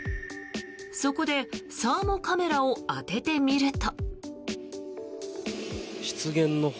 そこでサーモカメラを当ててみると。